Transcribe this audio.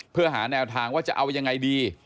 เพื่อหาแนวทางว่าจะเอายังไงดี